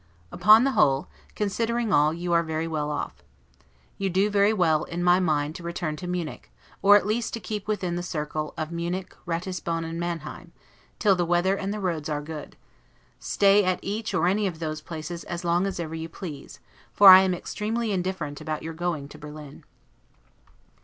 Upon the whole, considering all you are very well off. You do very well, in my mind, to return to Munich, or at least to keep within the circle of Munich, Ratisbon, and Manheim, till the weather and the roads are good: stay at each or any of those places as long as ever you please; for I am extremely indifferent about your going to Berlin.